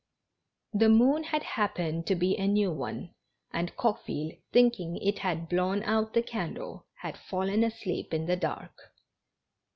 The moon had happened to be a new one, and Coque ville, thinking it had blown out the candle, had fallen asleep in the dark.